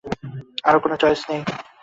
আর কোনো চয়েস নেই।